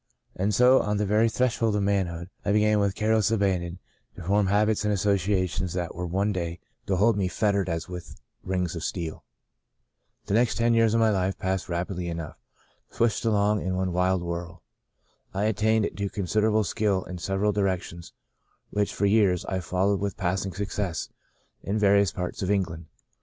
And so, on the very threshold of manhood, I began, with careless abandon, to form habits and associations that were one day to hold me fettered as with rings of steel. The next ten years of my life passed rap idly enough — swished along in one wild whirl. I attained to considerable skill in several directions which for years I followed with passing success in various parts of Eng land.